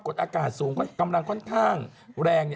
อากาศสูงกำลังค่อนข้างแรง